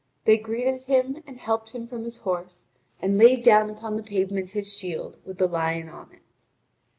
They greeted him and helped him from his horse, and laid down upon the pavement his shield with the lion on it.